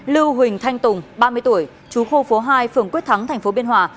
lưu huỳnh thanh tùng ba mươi tuổi chú khu phố hai phường quyết thắng tp biên hòa